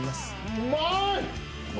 うまい！